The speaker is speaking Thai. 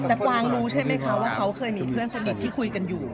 แต่กวางรู้ใช่ไหมคะว่าเขาเคยมีเพื่อนสนิทที่คุยกันอยู่